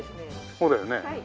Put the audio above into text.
そうだよね。